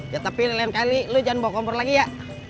ya tapi lain kali lo jangan bawa kompor lagi ya